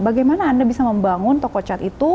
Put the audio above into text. bagaimana anda bisa membangun toko cat itu